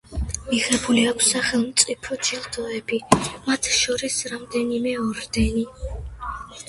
მიღებული აქვს სახელმწიფო ჯილდოები, მათ შორის რამდენიმე ორდენი.